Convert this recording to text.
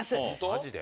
マジで？